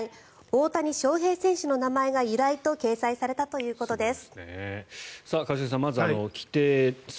大谷翔平選手の名前が由来と掲載されたということです。